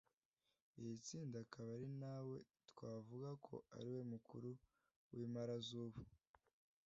Iri tsinda akaba ari nawe twavuga ko ari we mukuru w’Impala z’ubu